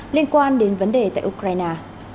liên quan đến vấn đề tại ukraine